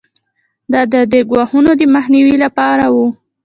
دا د دې ګواښونو د مخنیوي لپاره وو.